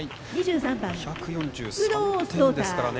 ２４３点ですからね